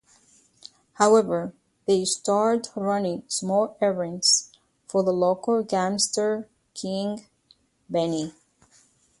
However, they start running small errands for a local gangster, King Benny.